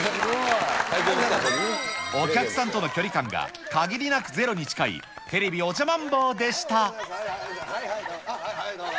お客さんとの距離感が限りなくゼロに近いＴＶおじゃマンボウでした。